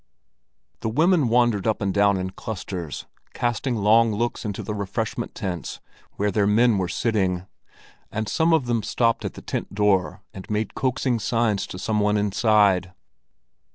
The women wandered up and down in clusters, casting long looks into the refreshment tents where their men were sitting; and some of them stopped at the tent door and made coaxing signs to some one inside.